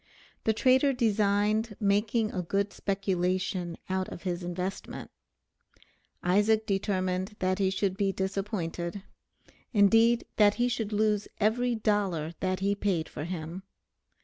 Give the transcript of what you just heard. The trader designed making a good speculation out of his investment: Isaac determined that he should be disappointed; indeed that he should lose every dollar that he paid for him.